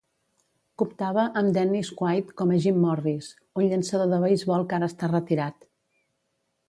Comptava amb Dennis Quaid com a Jim Morris, un llançador de beisbol que ara està retirat.